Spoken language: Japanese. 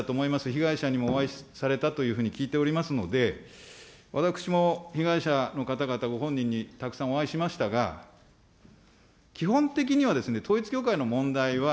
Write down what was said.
被害者にもお会いされたというふうに聞いておりますので、私も被害者の方々ご本人にたくさんお会いしましたが、基本的には統一教会の問題は、